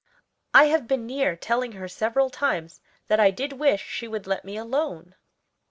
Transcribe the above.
I have been near telling her several times that I did wish she would let me alone."